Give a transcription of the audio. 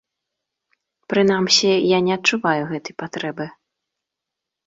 Прынамсі, я не адчуваю гэтай патрэбы.